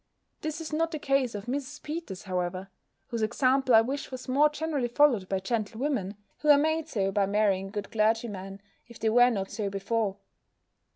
This is not the case of Mrs. Peters, however; whose example I wish was more generally followed by gentlewomen, who are made so by marrying good clergymen, if they were not so before.